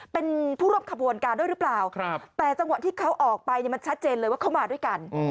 เป็นผู้ร่วมขบวนการด้วยหรือเปล่าแต่จังหวะที่เขาออกไปเนี่ยมันชัดเจนเลยว่าเขามาด้วยกัน